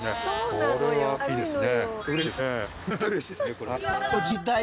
これはいいですね。